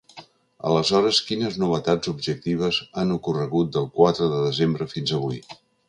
Aleshores, quines novetats objectives han ocorregut del quatre de desembre fins avui?